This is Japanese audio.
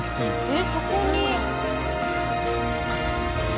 えっそこに。